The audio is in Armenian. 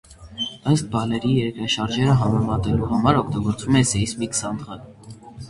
Ըստ բալերի երկրաշարժերը համեմատելու համար օգտագործվում է սեյսմիկ սանդղակ։